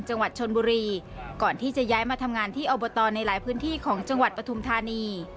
จังหวัดชนบุรีก่อนที่จะย้ายมาทำงานที่อบตในหลายพื้นที่ของจังหวัดปฐุมธานี